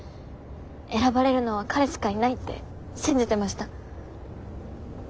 選ばれるのは彼しかいないって信じてました。